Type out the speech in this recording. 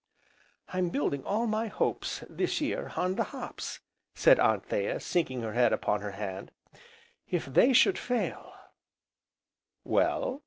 "I'm building all my hopes, this year, on the hops," said Anthea, sinking her head upon her hand, "if they should fail " "Well?"